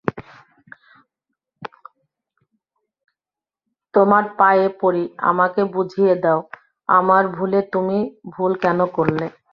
তোমার পায়ে পড়ি আমাকে বুঝিয়ে দাও আমার ভুলে তুমি ভুল কেন করলে?